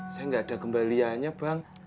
saya gak ada kembalianya bang